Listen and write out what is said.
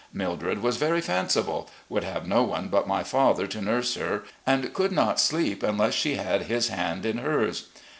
Mildred was very fanciful — ^would have no one but my father to nurse her, and could not sleep unless she had his hand in hers.